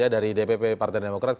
dari dpp partai demokrat